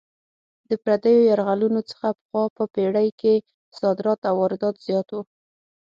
د پردیو یرغلونو څخه پخوا په پېړۍ کې صادرات او واردات زیات وو.